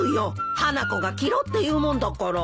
花子が着ろって言うもんだから。